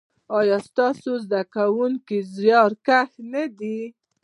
ایا ستاسو زده کونکي زیارکښ نه دي؟